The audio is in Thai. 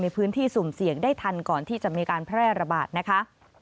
พื้นที่สุ่มเสี่ยงได้ทันก่อนที่จะมีการแพร่ระบาดนะคะ